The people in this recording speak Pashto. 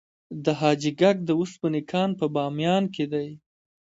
د حاجي ګک د وسپنې کان په بامیان کې دی